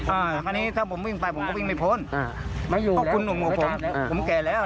อ่าอันนี้ถ้าผมวิ่งไปผมก็วิ่งไปพ้นอ่าไม่อยู่แล้วคุณหนูผมผมแก่แล้ว